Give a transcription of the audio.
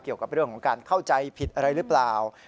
เกี่ยวกับเรื่องของการเข้าใจผิดอะไรหรือเปล่า